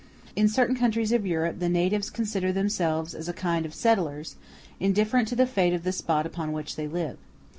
In certain countries of Europe the natives consider themselves as a kind of settlers, indifferent to the fate of the spot upon which they live.